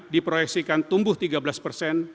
diproyeksikan tumbuh tiga belas persen